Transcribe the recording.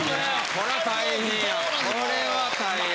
これは大変。